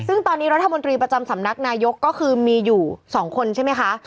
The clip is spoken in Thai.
ซึ่งตอนนี้รัฐมนตรีประจำสำนักนายกก็คือมีอยู่๒คนใช่ไหมคะ